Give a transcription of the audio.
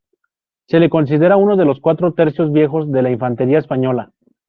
Se le considera uno de los cuatro Tercios Viejos de la infantería española.